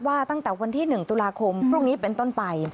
ตั้งแต่วันที่๑ตุลาคมพรุ่งนี้เป็นต้นไป